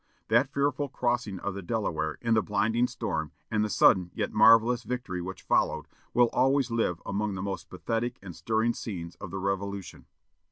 That fearful crossing of the Delaware, in the blinding storm, and the sudden yet marvellous victory which followed, will always live among the most pathetic and stirring scenes of the Revolution.